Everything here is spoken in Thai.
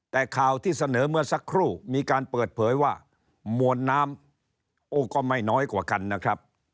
แต่ข่าวที่เสนอเมื่อสักครู่มีการเปิดเผยว่ามวลน้ำโอ้ก็ไม่น้อยกว่ากันนะครับ